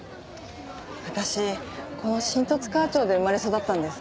私この新十津川町で生まれ育ったんです。